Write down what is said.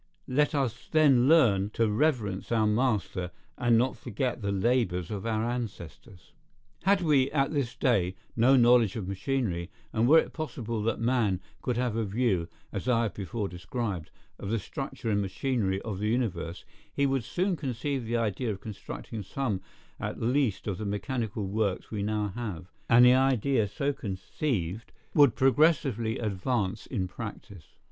Let us then learn to reverence our master, and not forget the labours of our ancestors. Had we, at this day, no knowledge of machinery, and were it possible that man could have a view, as I have before described, of the structure and machinery of the universe, he would soon conceive the idea of constructing some at least of the mechanical works we now have; and the idea so conceived would progressively advance in practice.